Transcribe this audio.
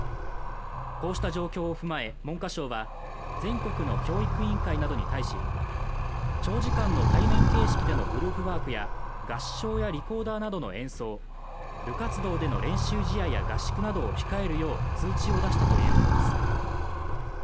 こうした状況を踏まえ文科省は全国の教育委員会などに対し長時間の対面形式でのグループワークや合唱やリコーダーなどの演奏部活動での練習試合や合宿などを控えるよう通知を出したということです